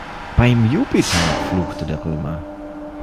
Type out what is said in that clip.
"Beim Jupiter!", fluchte der Römer.